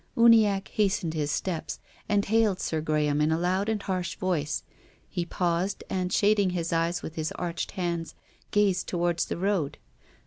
Uniacke hastened his steps, and hailed Sir Graham in a loud and harsh voice. He paused, and shading his eyes with his arched hands, gazed towards the road.